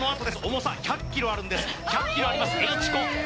重さ１００ｋｇあるんです１００ｋｇあります